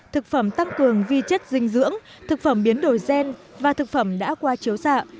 thực phẩm tăng cường vi chất dinh dưỡng thực phẩm biến đổi gen và thực phẩm đã qua chiếu xạ